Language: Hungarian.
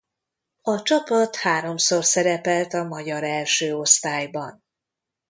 A csapat háromszor szerepelt a magyar első osztályban.